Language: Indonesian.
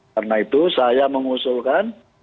karena itu saya mengusulkan